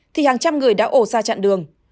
thì hàng trăm người đã ổ ra chặn đường